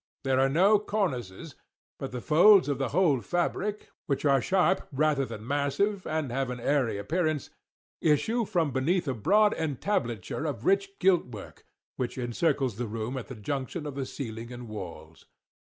There are no cornices; but the folds of the whole fabric (which are sharp rather than massive, and have an airy appearance), issue from beneath a broad entablature of rich giltwork, which encircles the room at the junction of the ceiling and walls.